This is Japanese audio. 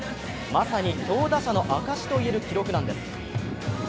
まさに強打者の証しといえる記録なんです。